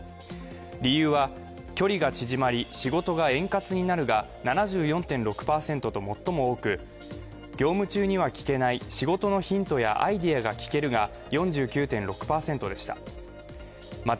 理由は、距離が縮まり仕事が円滑になるが７４．６％と最も多く業務中には聞けない仕事のヒントやアイデアが聞けるが４９．６％でした。